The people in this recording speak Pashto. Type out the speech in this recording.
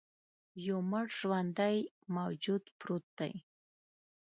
یو مړ ژواندی موجود پروت دی.